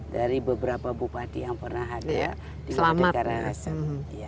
dari beberapa bupati yang pernah ada di kabupaten karangasem